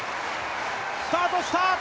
スタートした！